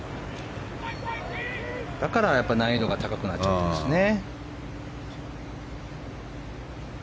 だから難易度が高くなっちゃってるんですね。